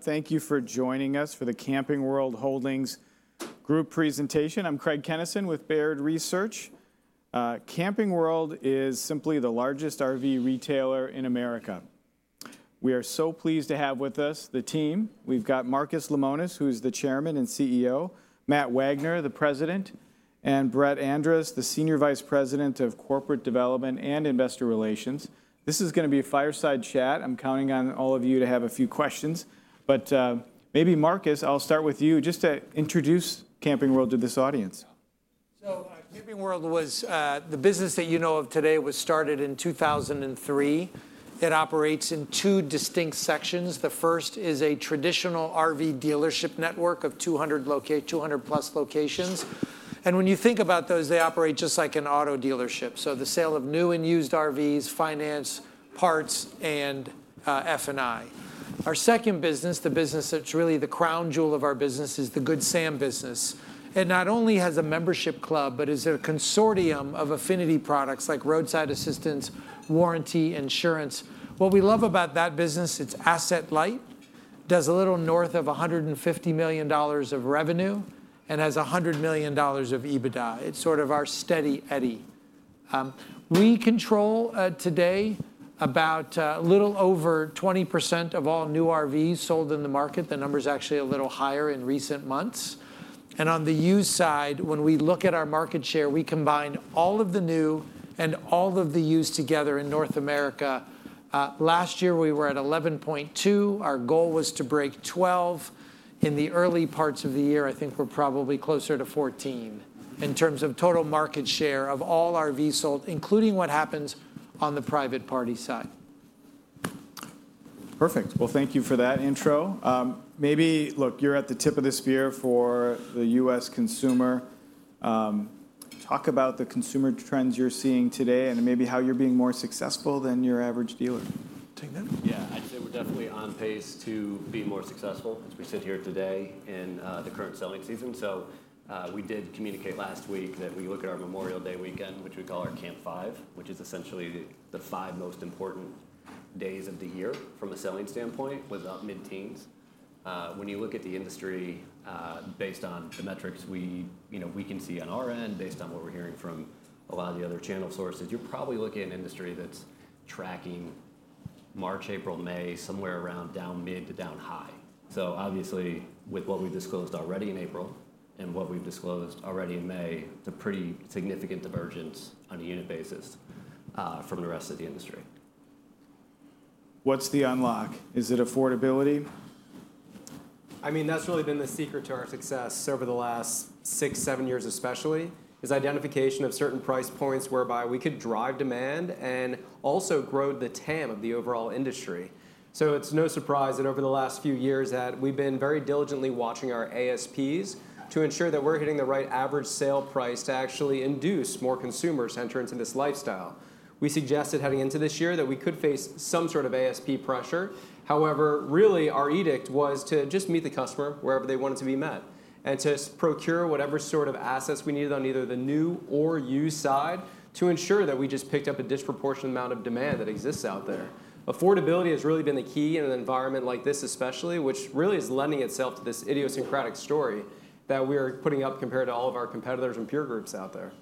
Thank you for joining us for the Camping World Holdings Group presentation. I'm Craig Kennison with Baird Research. Camping World is simply the largest RV retailer in America. We are so pleased to have with us the team. We've got Marcus Lemonis, who's the Chairman and CEO, Matt Wagner, the President, and Brett Andress, the Senior Vice President of Corporate Development and Investor Relations. This is going to be a fireside chat. I'm counting on all of you to have a few questions. Maybe, Marcus, I'll start with you just to introduce Camping World to this audience. Camping World, the business that you know of today, was started in 2003. It operates in two distinct sections. The first is a traditional RV dealership network of 200-plus locations. When you think about those, they operate just like an auto dealership. The sale of new and used RVs, finance, parts, and F&I. Our second business, the business that's really the crown jewel of our business, is the Good Sam business. It not only has a membership club, but is a consortium of affinity products like roadside assistance, warranty, insurance. What we love about that business, it's asset light, does a little north of $150 million of revenue, and has $100 million of EBITDA. It's sort of our steady Eddie. We control today about a little over 20% of all new RVs sold in the market. The number's actually a little higher in recent months. On the used side, when we look at our market share, we combine all of the new and all of the used together in North America. Last year, we were at 11.2%. Our goal was to break 12%. In the early parts of the year, I think we're probably closer to 14% in terms of total market share of all RVs sold, including what happens on the private party side. Perfect. Thank you for that intro. Maybe, look, you're at the tip of the spear for the U.S. consumer. Talk about the consumer trends you're seeing today and maybe how you're being more successful than your average dealer. Yeah, I'd say we're definitely on pace to be more successful as we sit here today in the current selling season. We did communicate last week that we look at our Memorial Day weekend, which we call our Camp 5, which is essentially the five most important days of the year from a selling standpoint, was about mid-teens. When you look at the industry based on the metrics we can see on our end, based on what we're hearing from a lot of the other channel sources, you're probably looking at an industry that's tracking March, April, May, somewhere around down mid to down high. Obviously, with what we've disclosed already in April and what we've disclosed already in May, it's a pretty significant divergence on a unit basis from the rest of the industry. What's the unlock? Is it affordability? I mean, that's really been the secret to our success over the last six, seven years especially, is identification of certain price points whereby we could drive demand and also grow the TAM of the overall industry. So it's no surprise that over the last few years, we've been very diligently watching our ASPs to ensure that we're hitting the right average sale price to actually induce more consumer entrance in this lifestyle. We suggested heading into this year that we could face some sort of ASP pressure. However, really, our edict was to just meet the customer wherever they wanted to be met and to procure whatever sort of assets we needed on either the new or used side to ensure that we just picked up a disproportionate amount of demand that exists out there. Affordability has really been the key in an environment like this especially, which really is lending itself to this idiosyncratic story that we're putting up compared to all of our competitors and peer groups out there.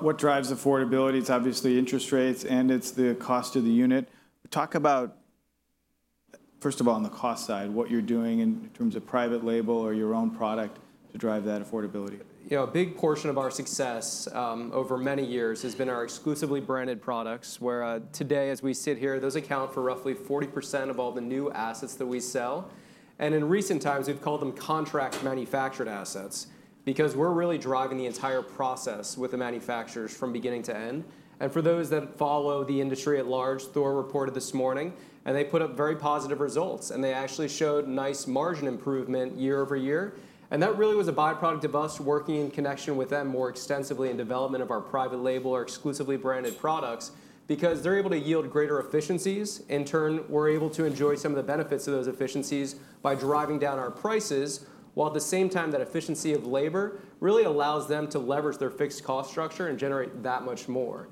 What drives affordability? It's obviously interest rates, and it's the cost of the unit. Talk about, first of all, on the cost side, what you're doing in terms of private label or your own product to drive that affordability. A big portion of our success over many years has been our exclusively branded products, where today, as we sit here, those account for roughly 40% of all the new assets that we sell. In recent times, we've called them contract manufactured assets because we're really driving the entire process with the manufacturers from beginning to end. For those that follow the industry at large, Thor reported this morning, and they put up very positive results. They actually showed nice margin improvement year over year. That really was a byproduct of us working in connection with them more extensively in development of our private label, our exclusively branded products, because they're able to yield greater efficiencies. In turn, we're able to enjoy some of the benefits of those efficiencies by driving down our prices, while at the same time, that efficiency of labor really allows them to leverage their fixed cost structure and generate that much more.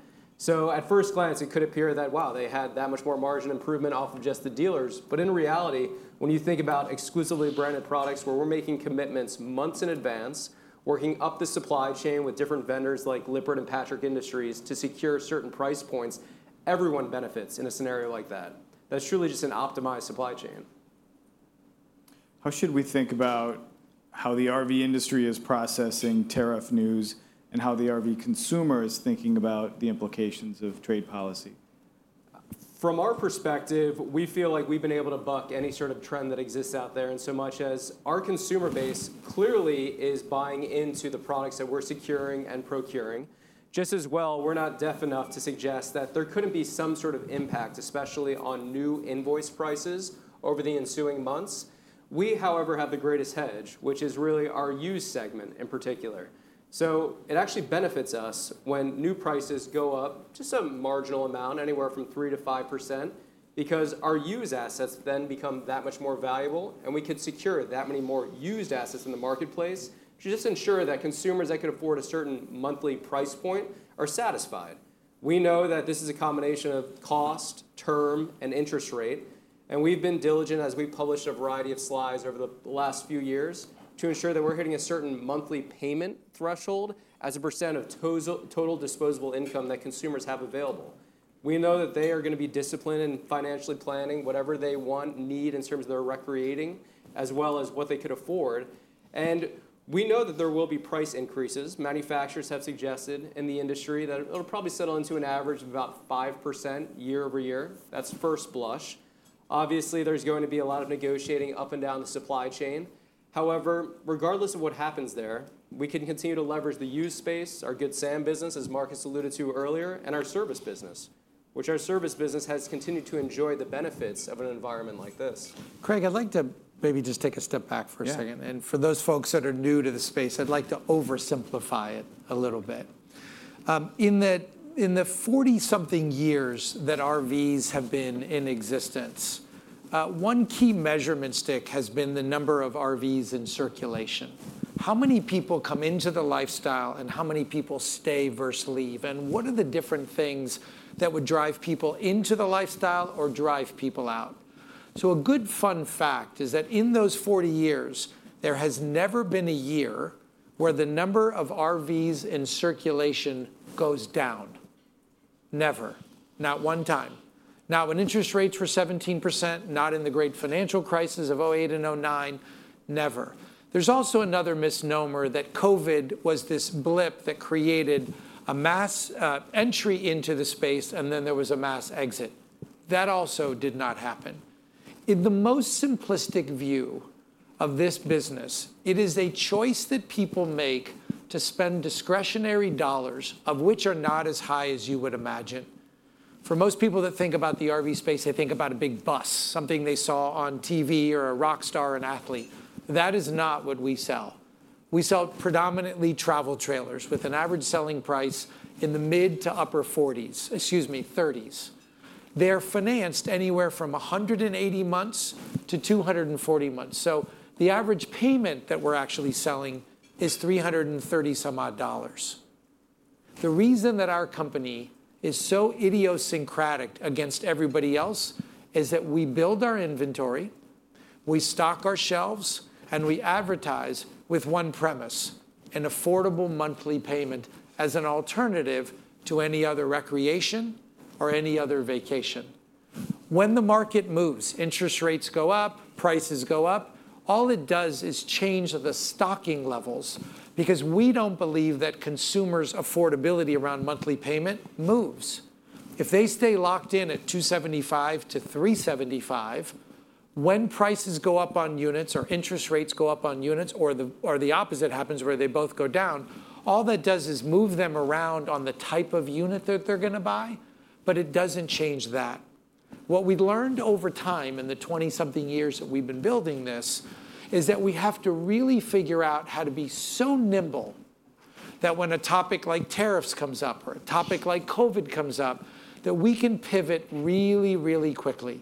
At first glance, it could appear that, wow, they had that much more margin improvement off of just the dealers. In reality, when you think about exclusively branded products where we're making commitments months in advance, working up the supply chain with different vendors like Lippert and Patrick Industries to secure certain price points, everyone benefits in a scenario like that. That's truly just an optimized supply chain. How should we think about how the RV industry is processing tariff news and how the RV consumer is thinking about the implications of trade policy? From our perspective, we feel like we've been able to buck any sort of trend that exists out there. In so much as our consumer base clearly is buying into the products that we're securing and procuring, just as well, we're not deaf enough to suggest that there couldn't be some sort of impact, especially on new invoice prices over the ensuing months. We, however, have the greatest hedge, which is really our used segment in particular. It actually benefits us when new prices go up just a marginal amount, anywhere from 3%-5%, because our used assets then become that much more valuable, and we could secure that many more used assets in the marketplace to just ensure that consumers that could afford a certain monthly price point are satisfied. We know that this is a combination of cost, term, and interest rate. We have been diligent, as we have published a variety of slides over the last few years, to ensure that we are hitting a certain monthly payment threshold as a percent of total disposable income that consumers have available. We know that they are going to be disciplined in financially planning whatever they want, need in terms of their recreating, as well as what they could afford. We know that there will be price increases. Manufacturers have suggested in the industry that it will probably settle into an average of about 5% year-over-year. That is first blush. Obviously, there is going to be a lot of negotiating up and down the supply chain. However, regardless of what happens there, we can continue to leverage the used space, our Good Sam business, as Marcus alluded to earlier, and our service business, which our service business has continued to enjoy the benefits of an environment like this. Craig, I'd like to maybe just take a step back for a second. For those folks that are new to the space, I'd like to oversimplify it a little bit. In the 40-something years that RVs have been in existence, one key measurement stick has been the number of RVs in circulation. How many people come into the lifestyle, and how many people stay versus leave? What are the different things that would drive people into the lifestyle or drive people out? A good fun fact is that in those 40 years, there has never been a year where the number of RVs in circulation goes down. Never. Not one time. When interest rates were 17%, not in the great financial crisis of 2008 and 2009, never. There's also another misnomer that COVID was this blip that created a mass entry into the space, and then there was a mass exit. That also did not happen. In the most simplistic view of this business, it is a choice that people make to spend discretionary dollars, of which are not as high as you would imagine. For most people that think about the RV space, they think about a big bus, something they saw on TV or a rock star or an athlete. That is not what we sell. We sell predominantly travel trailers with an average selling price in the mid to upper $40,000s, excuse me, $30,000s. They're financed anywhere from 180 months to 240 months. So the average payment that we're actually selling is $330-some-odd dollars. The reason that our company is so idiosyncratic against everybody else is that we build our inventory, we stock our shelves, and we advertise with one premise: an affordable monthly payment as an alternative to any other recreation or any other vacation. When the market moves, interest rates go up, prices go up. All it does is change the stocking levels because we do not believe that consumers' affordability around monthly payment moves. If they stay locked in at $275-$375, when prices go up on units or interest rates go up on units, or the opposite happens where they both go down, all that does is move them around on the type of unit that they are going to buy, but it does not change that. What we've learned over time in the 20-something years that we've been building this is that we have to really figure out how to be so nimble that when a topic like tariffs comes up or a topic like COVID comes up, that we can pivot really, really quickly.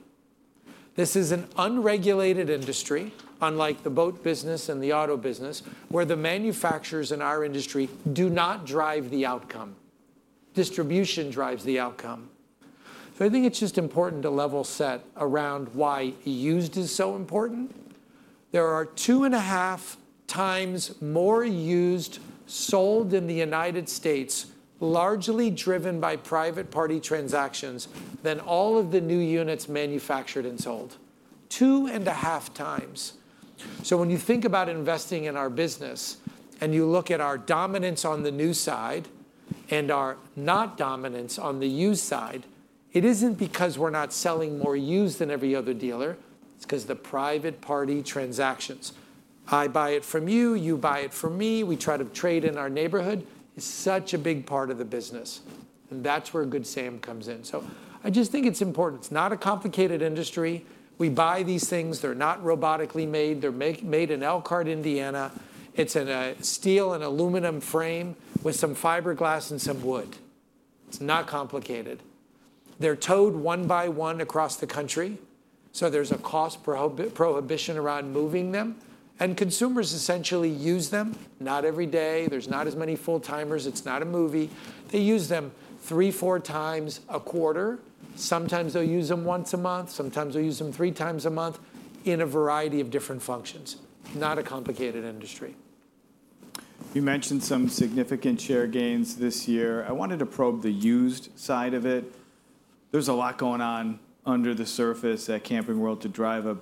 This is an unregulated industry, unlike the boat business and the auto business, where the manufacturers in our industry do not drive the outcome. Distribution drives the outcome. I think it's just important to level set around why used is so important. There are two and a half times more used sold in the United States, largely driven by private party transactions, than all of the new units manufactured and sold. Two and a half times. When you think about investing in our business and you look at our dominance on the new side and our not dominance on the used side, it isn't because we're not selling more used than every other dealer. It's because the private party transactions. I buy it from you. You buy it from me. We try to trade in our neighborhood. It's such a big part of the business. That's where Good Sam comes in. I just think it's important. It's not a complicated industry. We buy these things. They're not robotically made. They're made in Elkhart, Indiana. It's in a steel and aluminum frame with some fiberglass and some wood. It's not complicated. They're towed one by one across the country. There's a cost prohibition around moving them. Consumers essentially use them. Not every day. There's not as many full-timers. It's not a movie. They use them three, four times a quarter. Sometimes they'll use them once a month. Sometimes they'll use them three times a month in a variety of different functions. Not a complicated industry. You mentioned some significant share gains this year. I wanted to probe the used side of it. There's a lot going on under the surface at Camping World to drive a,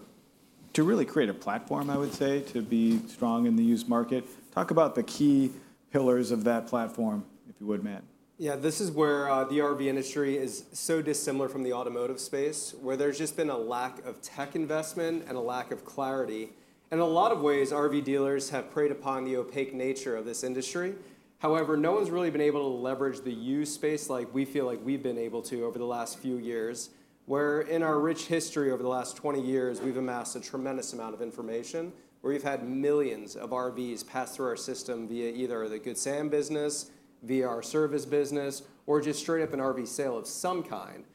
to really create a platform, I would say, to be strong in the used market. Talk about the key pillars of that platform, if you would, Matt. Yeah, this is where the RV industry is so dissimilar from the automotive space, where there's just been a lack of tech investment and a lack of clarity. In a lot of ways, RV dealers have preyed upon the opaque nature of this industry. However, no one's really been able to leverage the used space like we feel like we've been able to over the last few years, where in our rich history over the last 20 years, we've amassed a tremendous amount of information where we've had millions of RVs pass through our system via either the Good Sam business, via our service business, or just straight up an RV sale of some kind.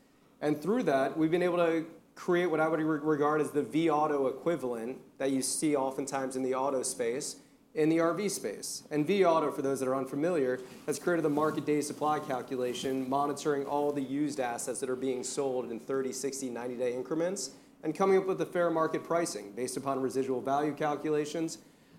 Through that, we've been able to create what I would regard as the VAuto equivalent that you see oftentimes in the auto space in the RV space. VAuto, for those that are unfamiliar, has created a market day supply calculation monitoring all the used assets that are being sold in 30, 60, 90-day increments and coming up with the fair market pricing based upon residual value calculations.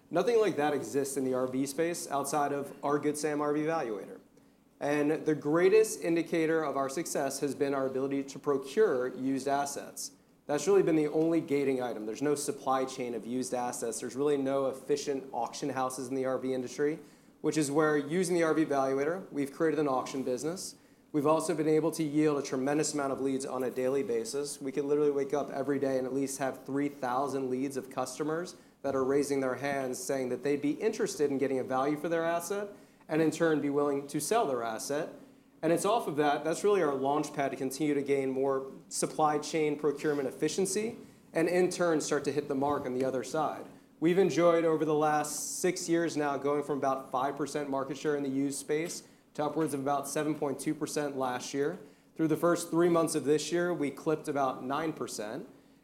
Nothing like that exists in the RV space outside of our Good Sam RV Valuator. The greatest indicator of our success has been our ability to procure used assets. That's really been the only gating item. There's no supply chain of used assets. There's really no efficient auction houses in the RV industry, which is where using the RV Valuator, we've created an auction business. We've also been able to yield a tremendous amount of leads on a daily basis. We can literally wake up every day and at least have 3,000 leads of customers that are raising their hands saying that they'd be interested in getting a value for their asset and in turn be willing to sell their asset. It is off of that. That is really our launch pad to continue to gain more supply chain procurement efficiency and in turn start to hit the mark on the other side. We have enjoyed over the last six years now going from about 5% market share in the used space to upwards of about 7.2% last year. Through the first three months of this year, we clipped about 9%.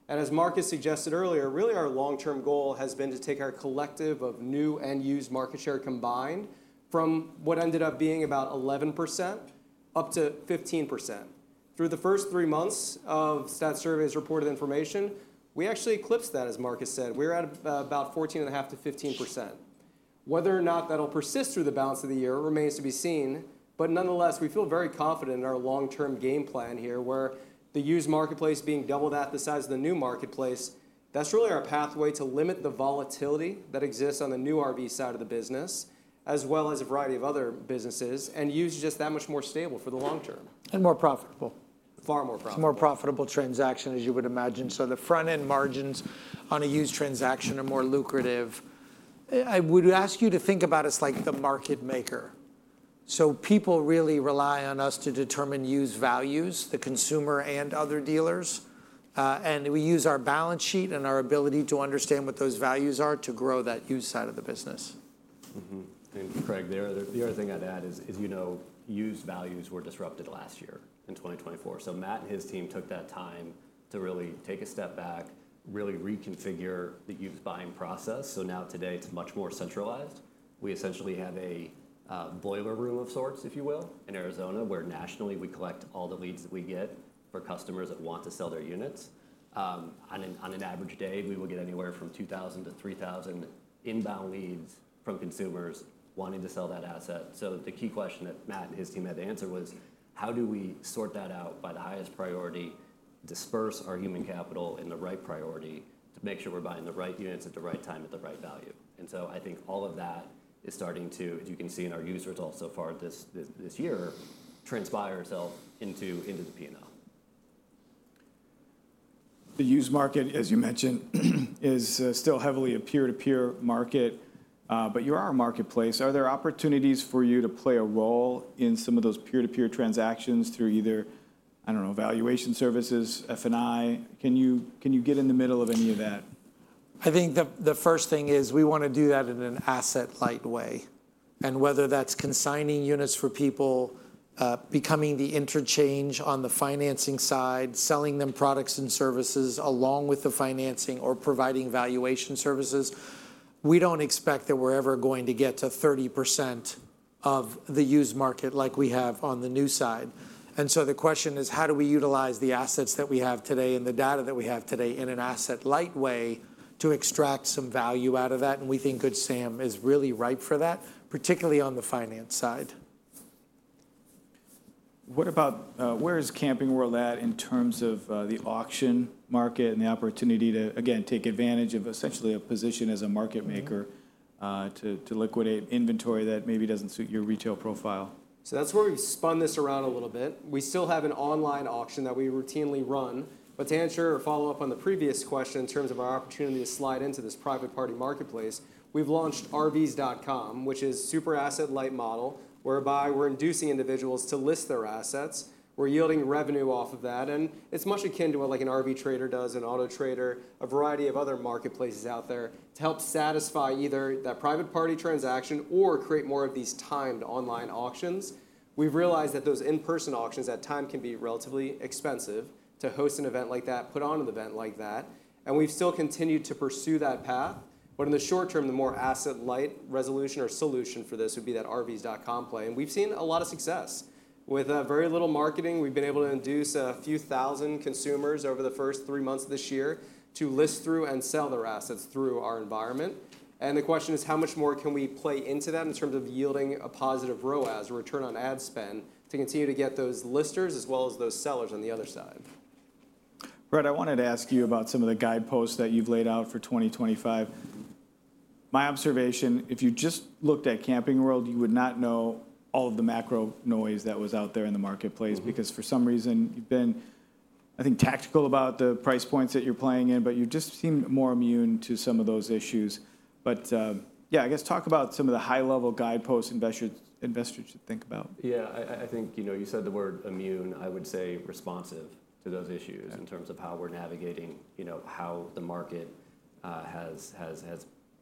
As Marcus suggested earlier, really our long-term goal has been to take our collective of new and used market share combined from what ended up being about 11% up to 15%. Through the first three months of that survey's reported information, we actually eclipsed that, as Marcus said. We were at about 14.5%-15%. Whether or not that'll persist through the balance of the year remains to be seen. Nonetheless, we feel very confident in our long-term game plan here, where the used marketplace being doubled at the size of the new marketplace. That's really our pathway to limit the volatility that exists on the new RV side of the business, as well as a variety of other businesses, and used just that much more stable for the long term. More profitable. Far more profitable. It's a more profitable transaction, as you would imagine. The front-end margins on a used transaction are more lucrative. I would ask you to think about us like the market maker. People really rely on us to determine used values, the consumer and other dealers. We use our balance sheet and our ability to understand what those values are to grow that used side of the business. Craig, the other thing I'd add is used values were disrupted last year in 2024. Matt and his team took that time to really take a step back, really reconfigure the used buying process. Now today, it's much more centralized. We essentially have a boiler room of sorts, if you will, in Arizona, where nationally we collect all the leads that we get for customers that want to sell their units. On an average day, we will get anywhere from 2,000-3,000 inbound leads from consumers wanting to sell that asset. The key question that Matt and his team had to answer was, how do we sort that out by the highest priority, disperse our human capital in the right priority to make sure we're buying the right units at the right time at the right value? I think all of that is starting to, as you can see in our user results so far this year, transpire itself into the P&L. The used market, as you mentioned, is still heavily a peer-to-peer market, but you are a marketplace. Are there opportunities for you to play a role in some of those peer-to-peer transactions through either, I don't know, valuation services, F&I? Can you get in the middle of any of that? I think the first thing is we want to do that in an asset-light way. Whether that's consigning units for people, becoming the interchange on the financing side, selling them products and services along with the financing, or providing valuation services, we don't expect that we're ever going to get to 30% of the used market like we have on the new side. The question is, how do we utilize the assets that we have today and the data that we have today in an asset-light way to extract some value out of that? We think Good Sam is really ripe for that, particularly on the finance side. Where is Camping World at in terms of the auction market and the opportunity to, again, take advantage of essentially a position as a market maker to liquidate inventory that maybe does not suit your retail profile? That is where we spun this around a little bit. We still have an online auction that we routinely run. To answer or follow up on the previous question in terms of our opportunity to slide into this private party marketplace, we have launched rvs.com, which is a super asset-light model whereby we are inducing individuals to list their assets. We are yielding revenue off of that. It is much akin to what an RV Trader does, an Auto Trader, a variety of other marketplaces out there to help satisfy either that private party transaction or create more of these timed online auctions. We have realized that those in-person auctions at times can be relatively expensive to host an event like that, put on an event like that. We have still continued to pursue that path. In the short term, the more asset-light resolution or solution for this would be that rvs.com play. We have seen a lot of success. With very little marketing, we have been able to induce a few thousand consumers over the first three months of this year to list through and sell their assets through our environment. The question is, how much more can we play into that in terms of yielding a positive ROAS or return on ad spend to continue to get those listers as well as those sellers on the other side? Brett, I wanted to ask you about some of the guideposts that you've laid out for 2025. My observation, if you just looked at Camping World, you would not know all of the macro noise that was out there in the marketplace because for some reason you've been, I think, tactical about the price points that you're playing in, but you just seem more immune to some of those issues. I guess talk about some of the high-level guideposts investors should think about. Yeah, I think you said the word immune. I would say responsive to those issues in terms of how we're navigating how the market has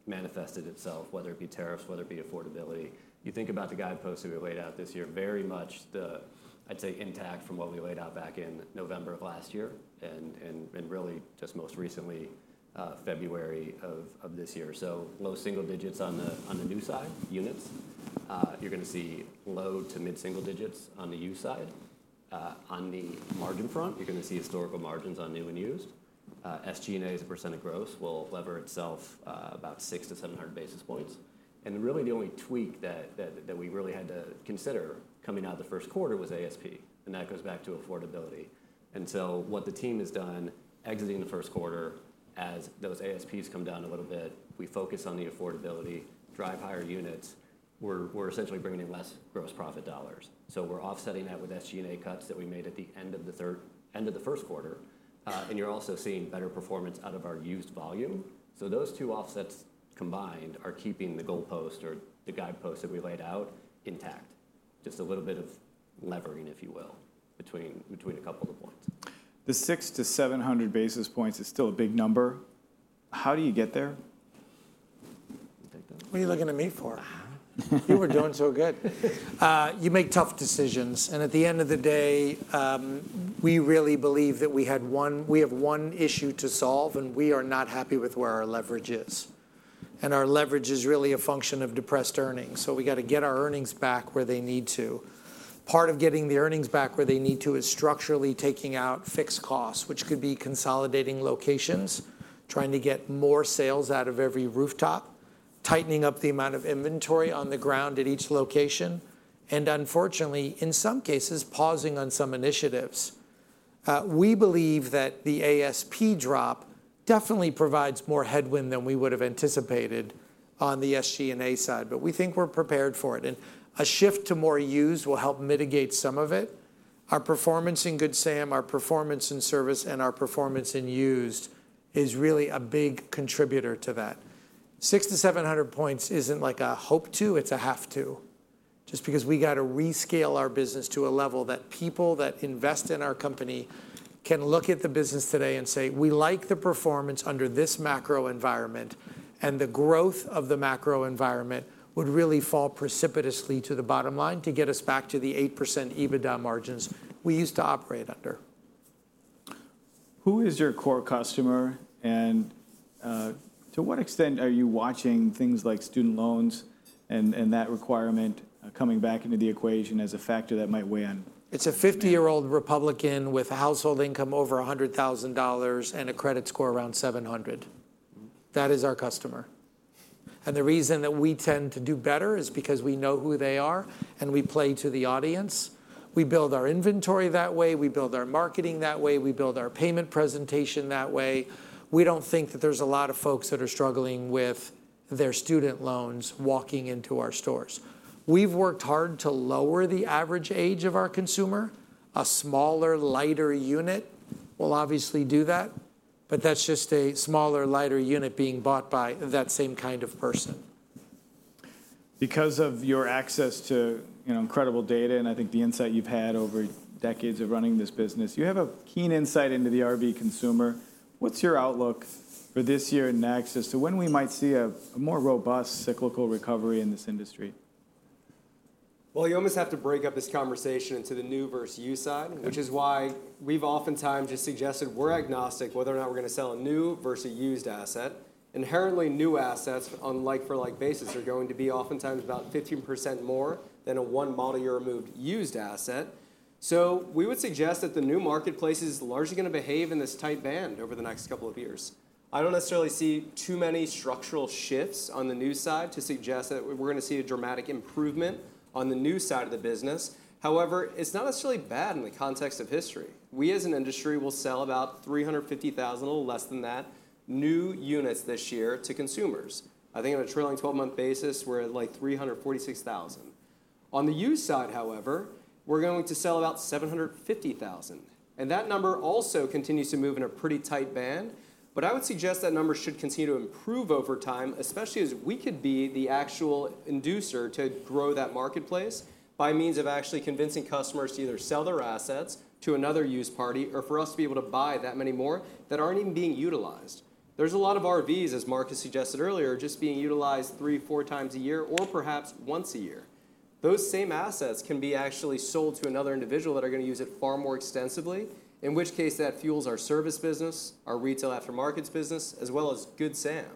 manifested itself, whether it be tariffs, whether it be affordability. You think about the guideposts that we laid out this year, very much, I'd say, intact from what we laid out back in November of last year and really just most recently, February of this year. Low single digits on the new side, units. You're going to see low to mid-single digits on the used side. On the margin front, you're going to see historical margins on new and used. SG&A's percent of gross will lever itself about 600-700 basis points. Really the only tweak that we really had to consider coming out of the first quarter was ASP. That goes back to affordability. What the team has done exiting the first quarter, as those ASPs come down a little bit, we focus on the affordability, drive higher units. We're essentially bringing in less gross profit dollars. We're offsetting that with SG&A cuts that we made at the end of the first quarter. You're also seeing better performance out of our used volume. Those two offsets combined are keeping the goalpost or the guideposts that we laid out intact, just a little bit of levering, if you will, between a couple of points. The 600-700 basis points is still a big number. How do you get there? What are you looking to meet for? You were doing so well. You make tough decisions. At the end of the day, we really believe that we have one issue to solve, and we are not happy with where our leverage is. Our leverage is really a function of depressed earnings. We have to get our earnings back where they need to be. Part of getting the earnings back where they need to be is structurally taking out fixed costs, which could be consolidating locations, trying to get more sales out of every rooftop, tightening up the amount of inventory on the ground at each location, and unfortunately, in some cases, pausing on some initiatives. We believe that the ASP drop definitely provides more headwind than we would have anticipated on the SG&A side, but we think we are prepared for it. A shift to more used will help mitigate some of it. Our performance in Good Sam, our performance in service, and our performance in used is really a big contributor to that. 600-700 basis points isn't like a hope to, it's a have to, just because we got to rescale our business to a level that people that invest in our company can look at the business today and say, "We like the performance under this macro environment," and the growth of the macro environment would really fall precipitously to the bottom line to get us back to the 8% EBITDA margins we used to operate under. Who is your core customer? And to what extent are you watching things like student loans and that requirement coming back into the equation as a factor that might weigh in? It's a 50-year-old Republican with a household income over $100,000 and a credit score around 700. That is our customer. The reason that we tend to do better is because we know who they are and we play to the audience. We build our inventory that way. We build our marketing that way. We build our payment presentation that way. We do not think that there is a lot of folks that are struggling with their student loans walking into our stores. We have worked hard to lower the average age of our consumer. A smaller, lighter unit will obviously do that, but that is just a smaller, lighter unit being bought by that same kind of person. Because of your access to incredible data and I think the insight you have had over decades of running this business, you have a keen insight into the RV consumer. What is your outlook for this year and next as to when we might see a more robust cyclical recovery in this industry? You almost have to break up this conversation into the new versus used side, which is why we've oftentimes just suggested we're agnostic whether or not we're going to sell a new versus a used asset. Inherently, new assets for like basis are going to be oftentimes about 15% more than a one model year removed used asset. We would suggest that the new marketplace is largely going to behave in this tight band over the next couple of years. I don't necessarily see too many structural shifts on the new side to suggest that we're going to see a dramatic improvement on the new side of the business. However, it's not necessarily bad in the context of history. We, as an industry, will sell about 350,000, a little less than that, new units this year to consumers. I think on a trailing 12-month basis, we're at like 346,000. On the used side, however, we're going to sell about 750,000. That number also continues to move in a pretty tight band. I would suggest that number should continue to improve over time, especially as we could be the actual inducer to grow that marketplace by means of actually convincing customers to either sell their assets to another used party or for us to be able to buy that many more that aren't even being utilized. There are a lot of RVs, as Marcus suggested earlier, just being utilized three, four times a year or perhaps once a year. Those same assets can be actually sold to another individual that is going to use it far more extensively, in which case that fuels our service business, our retail aftermarkets business, as well as Good Sam.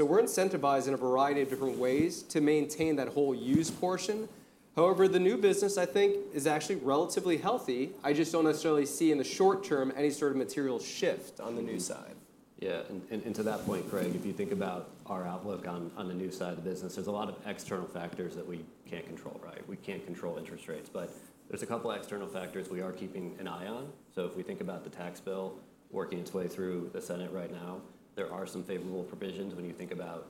We're incentivized in a variety of different ways to maintain that whole used portion. However, the new business, I think, is actually relatively healthy. I just do not necessarily see in the short term any sort of material shift on the new side. Yeah. To that point, Craig, if you think about our outlook on the new side of the business, there are a lot of external factors that we can't control, right? We can't control interest rates, but there are a couple of external factors we are keeping an eye on. If we think about the tax bill working its way through the Senate right now, there are some favorable provisions when you think about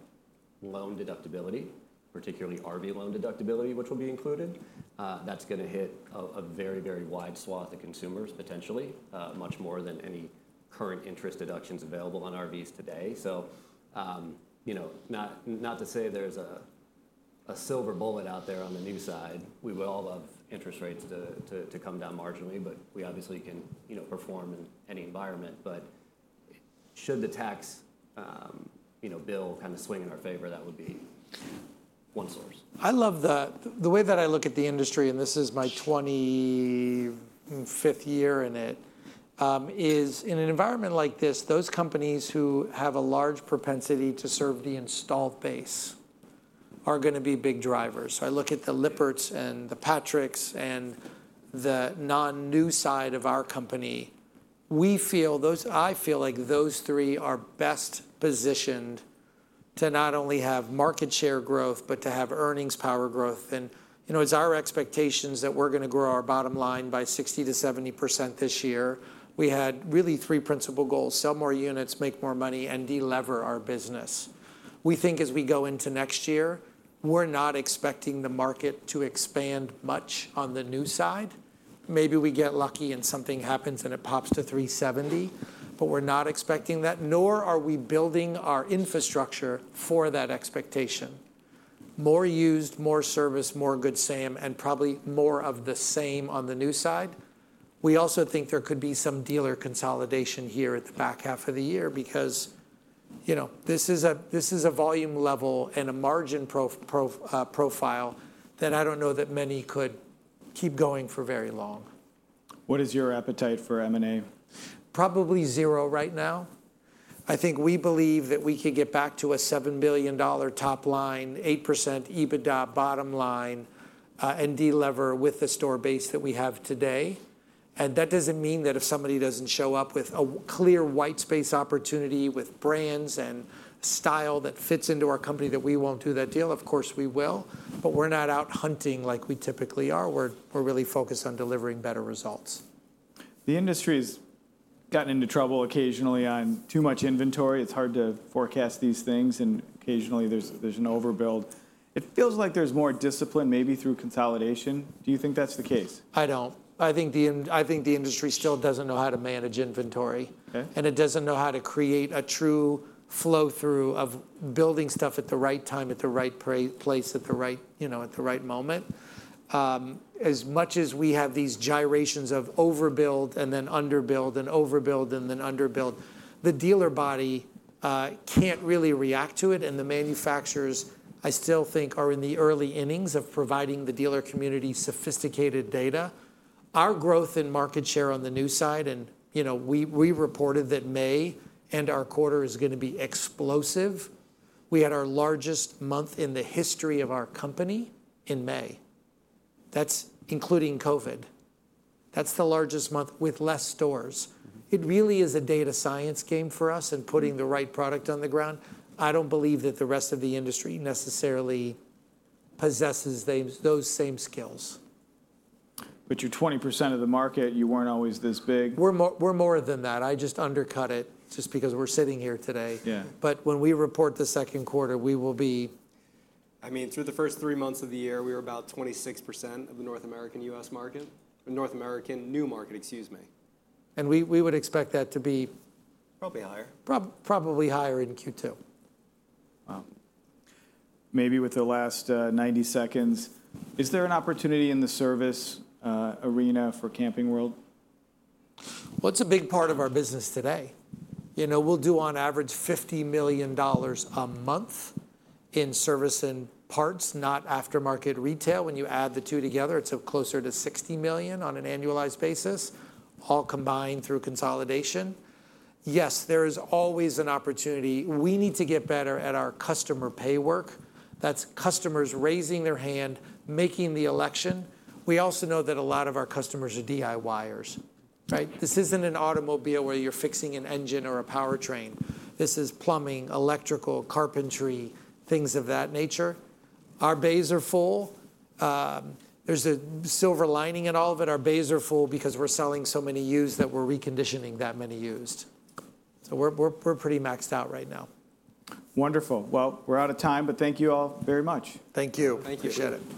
loan deductibility, particularly RV loan deductibility, which will be included. That's going to hit a very, very wide swath of consumers potentially, much more than any current interest deductions available on RVs today. Not to say there's a silver bullet out there on the new side. We would all love interest rates to come down marginally, but we obviously can perform in any environment. Should the tax bill kind of swing in our favor, that would be one source. I love the way that I look at the industry, and this is my 25th year in it, is in an environment like this, those companies who have a large propensity to serve the install base are going to be big drivers. I look at the Lippert's and the Patrick's and the non-new side of our company. I feel like those three are best positioned to not only have market share growth, but to have earnings power growth. It's our expectations that we're going to grow our bottom line by 60%-70% this year. We had really three principal goals: sell more units, make more money, and delever our business. We think as we go into next year, we're not expecting the market to expand much on the new side. Maybe we get lucky and something happens and it pops to $370, but we're not expecting that, nor are we building our infrastructure for that expectation. More used, more service, more Good Sam, and probably more of the same on the new side. We also think there could be some dealer consolidation here at the back half of the year because this is a volume level and a margin profile that I don't know that many could keep going for very long. What is your appetite for M&A? Probably zero right now. I think we believe that we could get back to a $7 billion top line, 8% EBITDA bottom line, and delever with the store base that we have today. That does not mean that if somebody does not show up with a clear white space opportunity with brands and style that fits into our company that we will not do that deal. Of course, we will, but we are not out hunting like we typically are. We are really focused on delivering better results. The industry has gotten into trouble occasionally on too much inventory. It is hard to forecast these things, and occasionally there is an overbuild. It feels like there is more discipline maybe through consolidation. Do you think that is the case? I do not. I think the industry still does not know how to manage inventory, and it does not know how to create a true flow-through of building stuff at the right time, at the right place, at the right moment. As much as we have these gyrations of overbuild and then underbuild and overbuild and then underbuild, the dealer body can't really react to it. The manufacturers, I still think, are in the early innings of providing the dealer community sophisticated data. Our growth in market share on the new side, and we reported that May and our quarter is going to be explosive. We had our largest month in the history of our company in May. That's including COVID. That's the largest month with fewer stores. It really is a data science game for us and putting the right product on the ground. I don't believe that the rest of the industry necessarily possesses those same skills. You're 20% of the market. You weren't always this big. We're more than that. I just undercut it just because we're sitting here today. When we report the second quarter, we will be. I mean, through the first three months of the year, we were about 26% of the North American U.S. market, North American new market, excuse me. We would expect that to be probably higher. Probably higher in Q2. Wow. Maybe with the last 90 seconds, is there an opportunity in the service arena for Camping World? It is a big part of our business today. We will do on average $50 million a month in service and parts, not aftermarket retail. When you add the two together, it is closer to $60 million on an annualized basis, all combined through consolidation. Yes, there is always an opportunity. We need to get better at our customer pay work. That is customers raising their hand, making the election. We also know that a lot of our customers are DIYers. This isn't an automobile where you're fixing an engine or a powertrain. This is plumbing, electrical, carpentry, things of that nature. Our bays are full. There's a silver lining in all of it. Our bays are full because we're selling so many used that we're reconditioning that many used. So we're pretty maxed out right now. Wonderful. We are out of time, but thank you all very much. Thank you. Thank you. Appreciate it.